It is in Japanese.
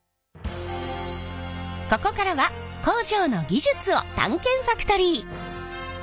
ここからは工場の技術を探検ファクトリー！